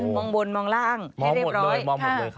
มองบนมองล่างให้เรียบร้อย